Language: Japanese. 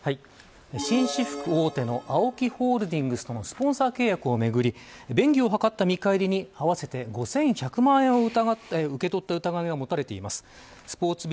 紳士服大手のＡＯＫＩホールディングスとのスポンサー契約をめぐり便宜を図った見返りに合わせて５１００万円を受け取った疑いが持たれています。